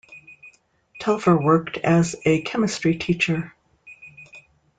Telfer worked as a chemistry teacher.